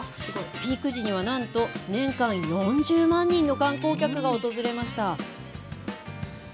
ピーク時にはなんと、年間４０万人の観光客が訪れました。